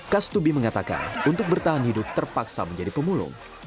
kastubi mengatakan untuk bertahan hidup terpaksa menjadi pemulung